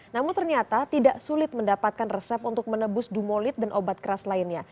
namun ternyata tidak sulit mendapatkan resep untuk menebus dumolit dan obat keras lainnya